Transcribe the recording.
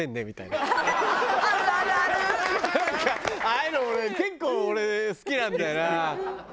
ああいうの俺結構俺好きなんだよな。